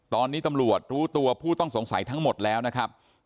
ตอนนี้ตำรวจรู้ตัวผู้ต้องสงสัยทั้งหมดแล้วนะครับ